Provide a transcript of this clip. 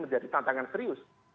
menjadi tantangan serius